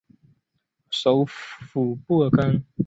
首府布尔干。